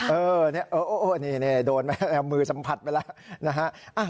โอ้โฮนี่โดนไปมือสัมผัสไปแล้ว